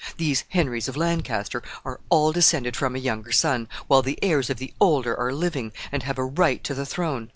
These Henrys of Lancaster are all descended from a younger son, while the heirs of the older are living, and have a right to the throne.